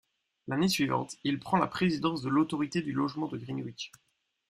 L'année suivante, il prend la présidence de l'autorité du logement de Greenwich.